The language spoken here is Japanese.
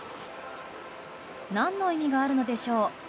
何の意味があるのでしょう？